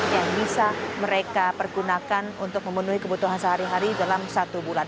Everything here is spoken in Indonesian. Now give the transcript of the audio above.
yang bisa mereka pergunakan untuk memenuhi kebutuhan sehari hari dalam satu bulan